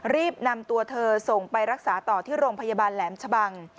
รีบนำตัวเธอส่งไปรักษาต่อที่โรงพยาบาลแหลมชะบัง